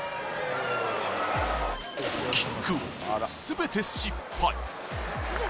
キックを全て失敗。